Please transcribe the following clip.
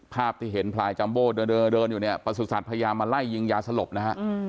ภาพที่เห็นพลายจัมโบ้เดินอยู่เนี่ยประสุทธิ์พยายามมาไล่ยิงยาสลบนะฮะ